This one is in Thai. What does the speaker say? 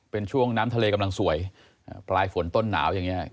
เป็นช่วงน้ำทะเลกำลังสวยปลายฝนต้นหนาวอย่างนี้